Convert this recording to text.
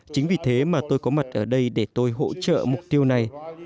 chính vì thế mà tôi có mặt ở đây để tôi hỗ trợ mục tiêu này